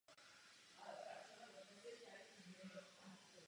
Své vzdělání získal na Univerzitě v Cambridge.